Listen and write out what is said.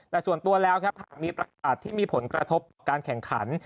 แต่ส่วนตัวแล้วครับหากมีประกาศที่มีผลกระทบการแข่งขัน